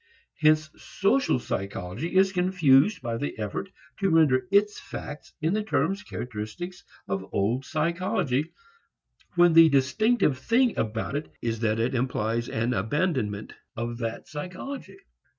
Hence social psychology is confused by the effort to render its facts in the terms characteristic of old psychology, when the distinctive thing about it is that it implies an abandonment of that psychology.